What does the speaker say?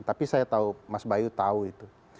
tapi saya tahu mas bayu tahu itu